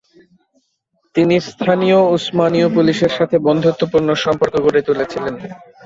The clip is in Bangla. তিনি স্থানীয় উসমানীয় পুলিশের সাথে বন্ধুত্বপূর্ণ সম্পর্ক গড়ে তুলেছিলেন।